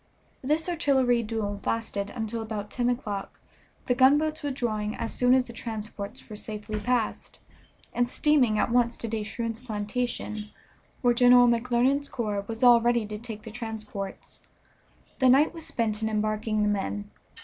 This artillery duel lasted until about ten o'clock, the gunboats withdrawing as soon as the transports were safely past, and steaming at once to De Shroon's plantation, where General McClernand's corps was all ready to take the transports. The night was spent in embarking the men.